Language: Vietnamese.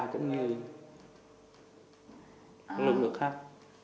đối với lực lượng khác